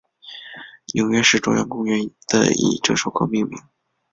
纽约市中央公园的以这首歌命名。